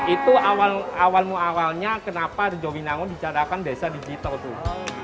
itu awal muawalnya kenapa rejowinangun dicarakan desa digital tuh